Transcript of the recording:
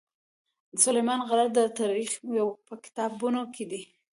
سلیمان غر د تاریخ په کتابونو کې دی.